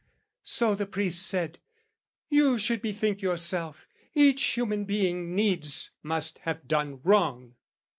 "So, the priest said 'You should bethink yourself: "'Each human being needs must have done wrong!'